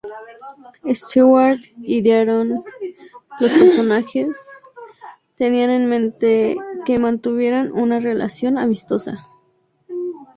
Stewart idearon los personajes, tenían en mente que mantuvieran una relación amistosa.